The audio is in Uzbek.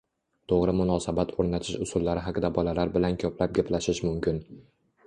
To‘g‘ri munosabat o‘rnatish usullari haqida bolalar bilan ko‘plab gaplashish mumkin.